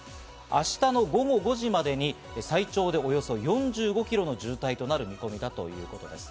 明日の午後５時までに最長でおよそ４５キロの渋滞となる見込みだということです。